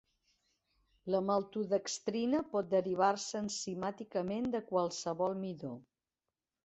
La maltodextrina pot derivar-se enzimàticament de qualsevol midó.